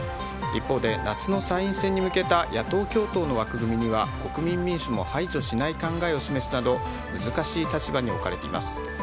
一方で夏の参院選に向けた野党共闘の枠組みには国民民主も排除しない考えを示すなど難しい立場に置かれています。